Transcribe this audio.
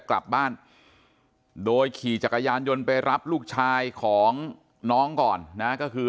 กลับบ้านโดยขี่จักรยานยนต์ไปรับลูกชายของน้องก่อนนะก็คือ